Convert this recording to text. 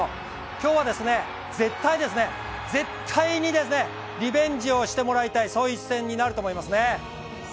今日は絶対、絶対にですね、リベンジをしてもらいたいそういう一戦になると思いますね。